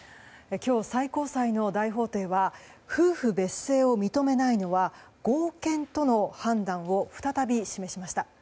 今日、最高裁の大法廷は夫婦別姓を認めないのは合憲との判断を再び示しました。